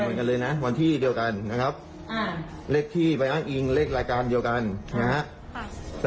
เหมือนกันเลยนะวันที่เดียวกันนะครับอ่าเลขที่ไปอ้างอิงเลขรายการเดียวกันนะฮะ